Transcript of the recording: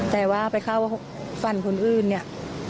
แต่ว่าไปเข้าฝันคนอื่นเนี่ย